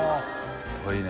太いね。